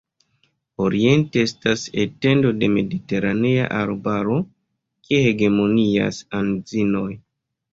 Oriente estas etendo de mediteranea arbaro, kie hegemonias anzinoj.